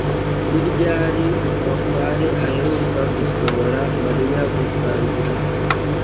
ni ryari bakware aheruka gusohora mariya gusangira